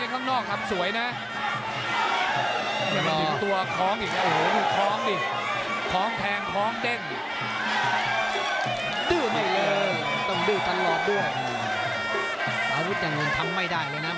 เอาวิทยาลงงทำไม่ได้เลยนะ